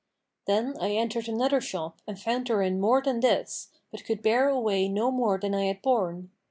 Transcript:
Then I entered another shop and found therein more than this, but could bear away no more than I had borne.